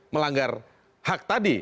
melanggar hak tadi